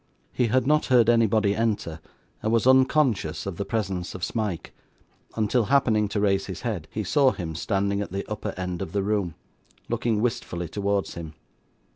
He had not heard anybody enter, and was unconscious of the presence of Smike, until, happening to raise his head, he saw him, standing at the upper end of the room, looking wistfully towards him.